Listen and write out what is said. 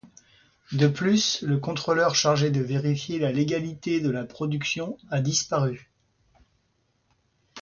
De plus, le contrôleur chargé de vérifier la légalité de la production a disparu.